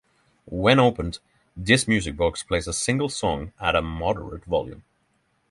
When opened, this music box plays a single song at a moderate volume.